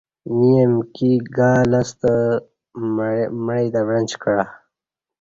ییں امکی گا لستہ معی تہ وعݩچ کعہ